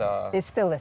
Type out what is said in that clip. sampai saat itu ya